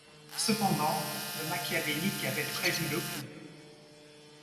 Cependant, le machiavélique avait prévu le coup.